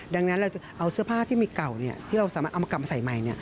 ดังนั้นเราจะเอาเสื้อผ้าที่มีเก่าที่เราสามารถเอามากลับมาใส่ใหม่